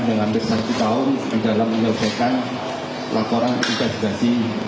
hanya hampir satu tahun dalam menyelesaikan laporan investigasi